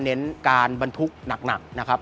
เน้นการบรรทุกหนักนะครับ